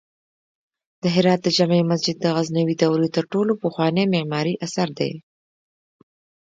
د هرات د جمعې مسجد د غزنوي دورې تر ټولو پخوانی معماری اثر دی